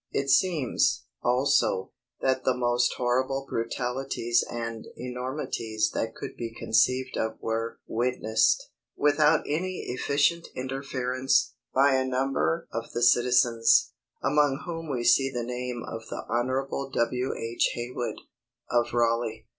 It seems, also, that the most horrible brutalities and enormities that could be conceived of were witnessed, without any efficient interference, by a number of the citizens, among whom we see the name of the Hon. W. H. Haywood, of Raleigh.